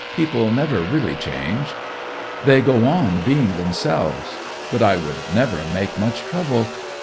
People never really change; they go on being themselves. But I would never make much trouble.